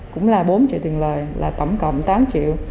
cũng là bốn triệu tiền lời là tổng cộng tám triệu